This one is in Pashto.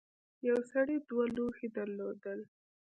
یو سړي دوه لوښي درلودل.